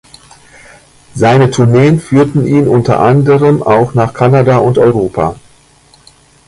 Seine Tourneen führten ihn unter anderem auch nach Kanada und Europa.